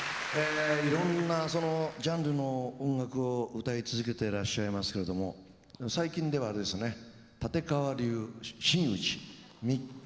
いろんなジャンルの音楽を歌い続けてらっしゃいますけれども最近ではあれですね立川流真打ちミッキ−亭カ−チス師匠。